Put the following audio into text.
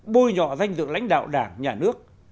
bôi nhọ danh dự lãnh đạo đảng nhà nước